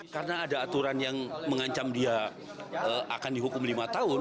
karena ada aturan yang mengancam dia akan dihukum lima tahun